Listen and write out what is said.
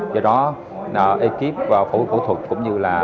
do đó ekip phẫu thuật cũng như là